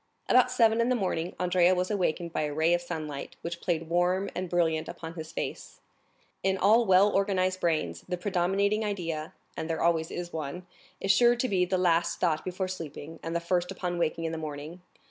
About seven in the morning Andrea was awakened by a ray of sunlight, which played, warm and brilliant, upon his face. In all well organized brains, the predominating idea—and there always is one—is sure to be the last thought before sleeping, and the first upon waking in the morning.